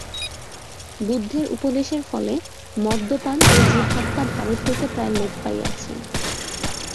বুদ্ধের উপদেশের ফলে মদ্যপান ও জীবহত্যা ভারত হইতে প্রায় লোপ পাইয়াছে।